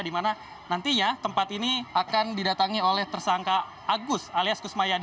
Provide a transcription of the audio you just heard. di mana nantinya tempat ini akan didatangi oleh tersangka agus alias kusmayadi